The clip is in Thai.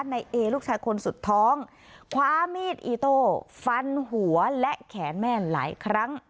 ในเอลูกชายคนสุดท้องคว้ามีดอีโต้ฟันหัวและแขนแม่หลายครั้ง